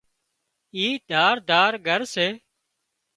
اِي ڌار ڌار گھر سي